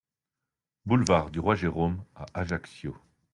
Boulevard du Roi Jérôme à Ajaccio